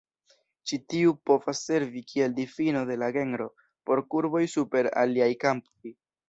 Ĉi tiu povas servi kiel difino de la genro por kurboj super aliaj kampoj.